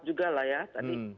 juga lah ya tadi